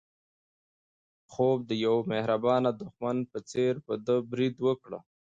خوب د یو مهربانه دښمن په څېر په ده برید وکړ.